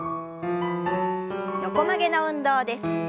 横曲げの運動です。